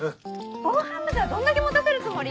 防犯ブザーどんだけ持たせるつもり？